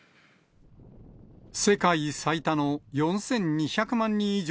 世界最多の４２００万人以上